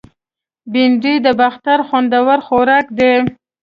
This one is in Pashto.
بېنډۍ د باختر خوندور خوراک دی